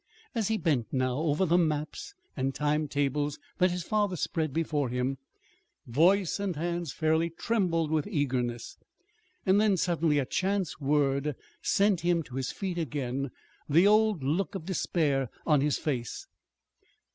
As he bent now over the maps and time tables that his father spread before him, voice and hands fairly trembled with eagerness. Then suddenly a chance word sent him to his feet again, the old look of despair on his face.